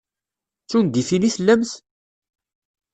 D tungifin i tellamt?